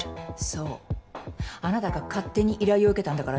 そうあなたが勝手に依頼を受けたんだからね。